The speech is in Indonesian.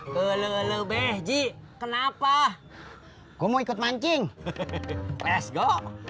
kelelebeh ji kenapa gua mau ikut mancing let's go